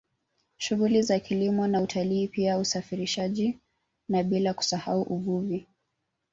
Shughuli za kilimo na utalii pia usafirishaji na bila kusahau uvuvi